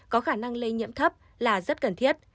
có khả năng lây nhiễm thấp là rất cần thiết